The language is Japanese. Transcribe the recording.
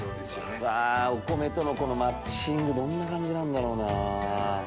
うわお米とのこのマッチングどんな感じなんだろうな？